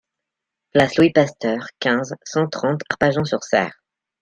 Place Louis Pasteur, quinze, cent trente Arpajon-sur-Cère